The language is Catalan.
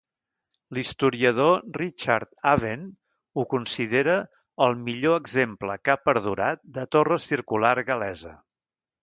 L'historiador Richard Avent ho considera "el millor exemple que ha perdurat de torre circular gal·lesa".